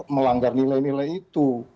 melanggar nilai nilai itu